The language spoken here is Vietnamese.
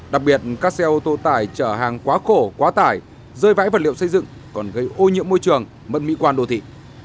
đặc biệt các xe ô tô tải chở hàng quá khổ quá tải rơi vãi vật liệu xây dựng còn gây ô nhiễm môi trường mất mỹ quan đô thị